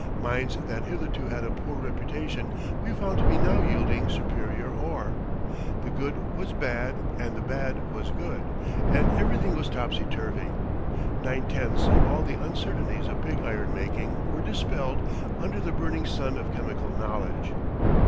Mines that hitherto had a poor reputation we found to be now yielding superior ore. The good was bad and the bad was good, and everything was topsy turvy. Nine tenths of all the uncertainties of pig iron making were dispelled under the burning sun of chemical knowledge.